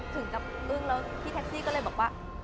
ถึงกับอึ้งแล้วพี่แท็กซี่ก็เลยบอกว่า